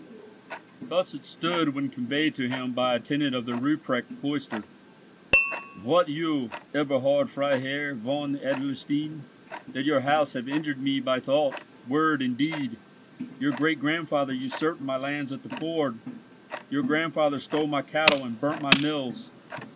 Thus it stood, when conveyed to him by a tenant of the Ruprecht cloister:— "Wot you, Eberhard, Freiherr von Adlerstein, that your house have injured me by thought, word, and deed. Your great grandfather usurped my lands at the ford. Your grandfather stole my cattle and burnt my mills.